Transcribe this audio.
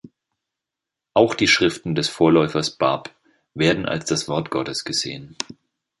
Auch die Schriften des Vorläufers Bab werden als das Wort Gottes gesehen.